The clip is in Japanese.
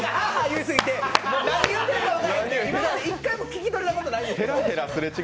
いいすぎて何言うてるか分からなくて１回も聞き取れたことないんです。